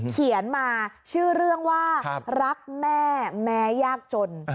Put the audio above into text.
เขียนมาชื่อเรื่องว่ารักแม่แม้ยากจน